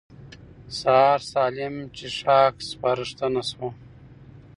سهار سالم څښاک سپارښتنه شوه.